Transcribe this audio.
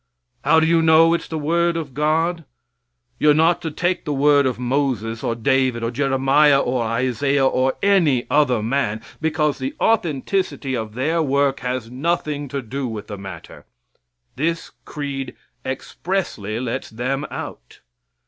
How do you know it's the word of God? You're not to take the word of Moses, or David, or Jeremiah, or Isaiah, or any other man, because the authenticity of their work has nothing to do with the matter; this creed expressly lets them out.